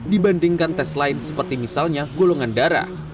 dibandingkan tes lain seperti misalnya golongan darah